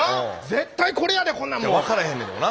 絶対これやでこんなもん。分からへんのやけどな。